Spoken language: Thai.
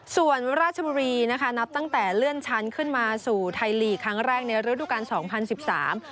ส่วนราชบุรีนะคะนับตั้งแต่เลื่อนชั้นขึ้นมาสู่ไทยลีกครั้งแรกในฤดูการสองพันสิบสาม